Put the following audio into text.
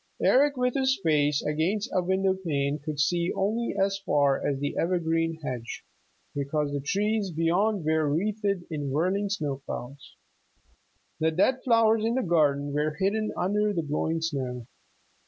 Eric with his face against a windowpane could see only as far as the evergreen hedge because the trees beyond were wreathed in whirling snowclouds. The dead flowers in the garden were hidden under the blowing snow.